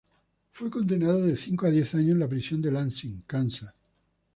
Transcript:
Fue condenado de cinco a diez años en la prisión de Lansing, Kansas.